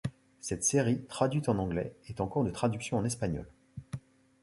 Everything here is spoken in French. Cette série, traduite en anglais, est en cours de traduction en espagnol.